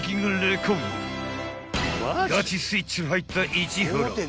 ［ガチスイッチの入った市原］